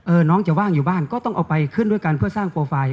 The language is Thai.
น้องจะว่างอยู่บ้านก็ต้องเอาไปขึ้นด้วยกันเพื่อสร้างโปรไฟล์